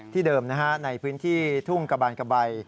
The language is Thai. ที่เดิมนะฮะในพื้นที่ทุ่งกะบานกะใบ